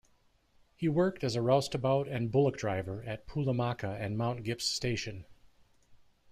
He worked as a roustabout and bullock-driver at Poolamacca and Mount Gipps Station.